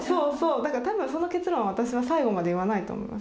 だから多分その結論を私は最後まで言わないと思います。